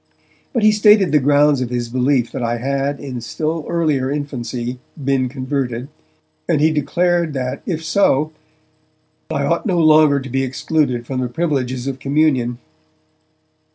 But he stated the grounds of his belief that I had, in still earlier infancy, been converted, and he declared that if so, I ought no longer to be excluded from the privileges of communion.